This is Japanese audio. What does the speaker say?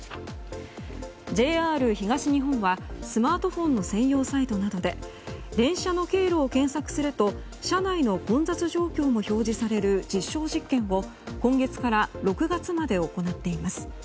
ＪＲ東日本は、スマートフォンの専用サイトなどで電車の経路を検索すると車内の混雑状況も表示される実証実験を今月から６月まで行っています。